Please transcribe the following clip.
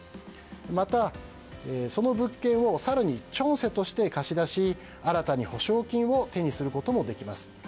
また、その物件を更にチョンセとして貸し出し新たに保証金を手にすることもできます。